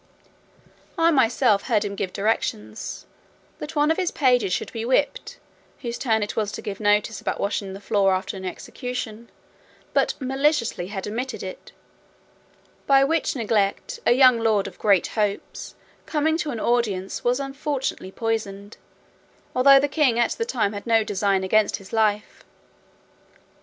I myself heard him give directions, that one of his pages should be whipped, whose turn it was to give notice about washing the floor after an execution, but maliciously had omitted it; by which neglect a young lord of great hopes, coming to an audience, was unfortunately poisoned, although the king at that time had no design against his life.